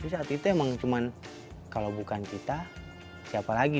saat itu emang cuman kalau bukan kita siapa lagi